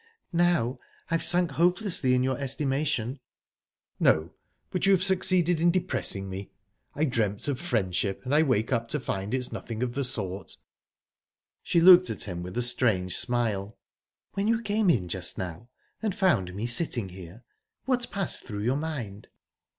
"Now I've sunk hopelessly in your estimation?" "No but you have succeeded in depressing me. I dreamt of friendship, and I wake up to find it's nothing of the sort." She looked at him with a strange smile. "When you came in just now, and found me sitting here, what passed through your mind?"